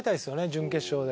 準決勝で。